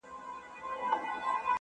چی یې مرگ نه دی منلی په جهان کي-